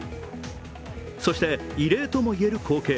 そして異例ともいえる光景。